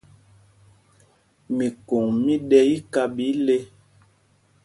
Mikǒŋ mí ɗɛ́ íká ɓɛ íle.